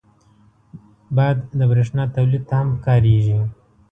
باد د بریښنا تولید ته هم کارېږي